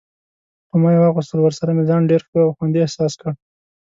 په ما یې واغوستل، ورسره مې ځان ډېر ښه او خوندي احساس کړ.